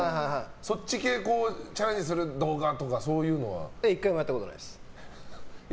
そっち系チャレンジする動画とか１回もやったことないです。